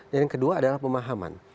dan yang kedua adalah pemahaman